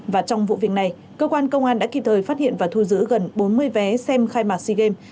và trong vụ việc này cơ quan công an đã kịp thời phát hiện và thu giữ gần bốn mươi vé xem khai mạc sea games